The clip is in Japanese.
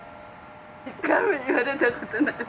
一回も言われたことないです。